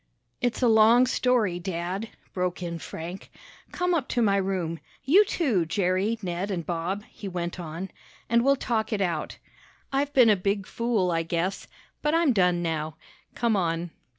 "It's a long story, Dad," broke in Frank. "Come up to my room you too, Jerry, Ned and Bob," he went on, "and we'll talk it out. I've been a big fool, I guess, but I'm done now. Come on."